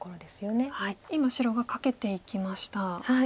今白がカケていきました。